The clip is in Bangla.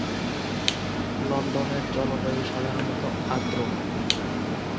লন্ডনের জলবায়ু সাধারণত আর্দ্র।